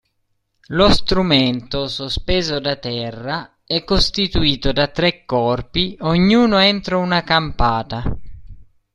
Lo strumento, sospeso da terra, è costituito da tre corpi, ognuno entro una campata.